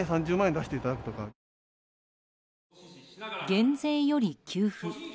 減税より給付。